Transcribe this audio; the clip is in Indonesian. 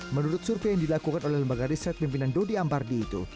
menurut survei yang dilakukan oleh lembaga riset pimpinan dodi ampardi itu